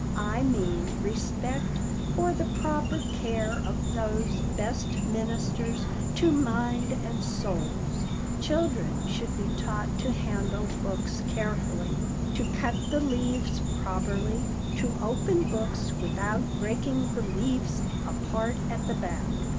I mean respect for the proper care of those best ministers to minds and souls. Children should be taught to handle books carefully, to cut the leaves properly, to open books without breaking the leaves apart at the back.